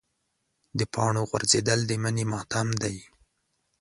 د پاڼو غورځېدل د مني ماتم دی.